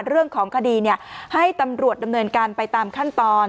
เรื่องของคดีให้ตำรวจดำเนินการไปตามขั้นตอน